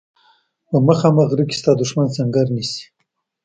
په مخامخ غره کې ستا دښمن سنګر نیسي.